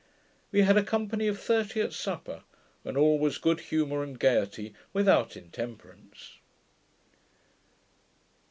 We had a company of thirty at supper; and all was good humour and gaiety, without intemperance.